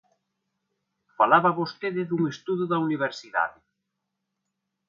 Falaba vostede dun estudo da universidade.